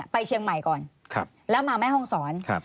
ไปเชียงใหม่ก่อนแล้วมาแม่ห้องศร